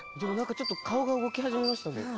ちょっと顔が動き始めましたね。